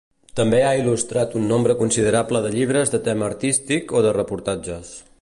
També ha il·lustrat un nombre considerable de llibres de tema artístic o de reportatges.